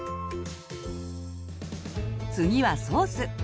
次はソース。